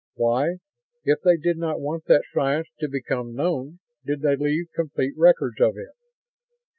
Why, if they did not want that science to become known, did they leave complete records of it?